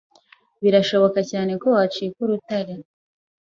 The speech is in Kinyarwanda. birashoboka cyane ko wacika urutare